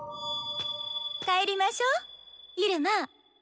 帰りましょう入間。